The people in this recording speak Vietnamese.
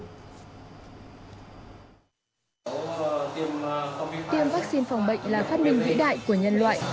tiêm vaccine phòng bệnh là phát minh vĩ đại của nhân loại